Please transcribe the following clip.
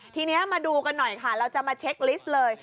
ทีนี้มาดูกันหน่อยค่ะเราจะมาเช็คลิสต์เลย